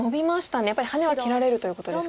やっぱりハネは切られるということですか。